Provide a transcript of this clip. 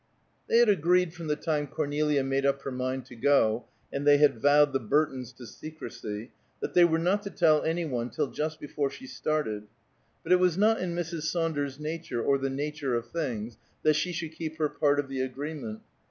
They had agreed from the time Cornelia made up her mind to go, and they had vowed the Burtons to secrecy, that they were not to tell any one till just before she started; but it was not in Mrs. Saunders's nature or the nature of things, that she should keep her part of the agreement.